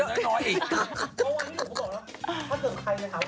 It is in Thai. พอที่หนูก็บอกใครแล้วครับ